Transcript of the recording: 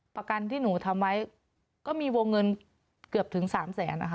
ประกันที่หนูทำไว้ก็มีวงเงินเกือบถึงสามแสนนะคะ